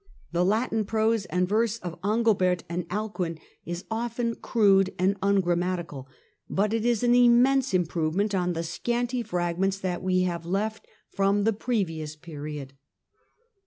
The Latin prose and verse of Angilbert or Alcuin is often crude and ungrani matical, but it is an immense improvement on the scanty fragments that we have left from the previous period.